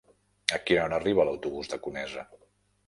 A quina hora arriba l'autobús de Conesa?